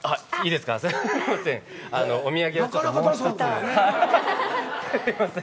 すいません。